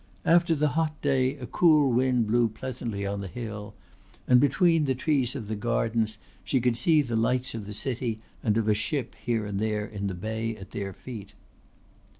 After the hot day a cool wind blew pleasantly on the hill, and between the trees of the gardens she could see the lights of the city and of a ship here and there in the Bay at their feet.